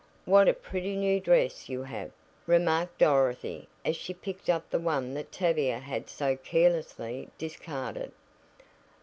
"What a pretty new dress you have!" remarked Dorothy as she picked up the one that Tavia had so carelessly discarded.